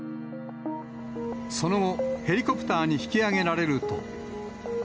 その後、ヘリコプターに引き上げられると。